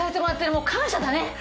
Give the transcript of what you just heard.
もう感謝だね。